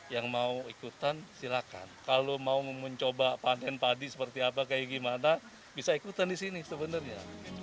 yang mau ikutan silakan kalau mau mencoba panen padi seperti apa kayak gimana bisa ikutan di sini sebenarnya